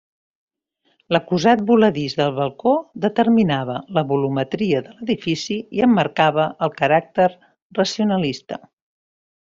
L'acusat voladís del balcó determinava la volumetria de l'edifici i en marcava el caràcter racionalista.